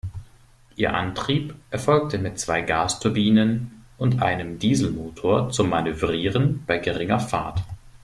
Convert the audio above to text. Ihr Antrieb erfolgte mit zwei Gasturbinen und einem Dieselmotor zum Manövrieren bei geringer Fahrt.